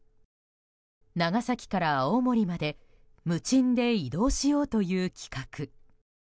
長崎から青森まで無賃で移動しようという企画。